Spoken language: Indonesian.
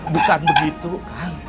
bukan begitu kang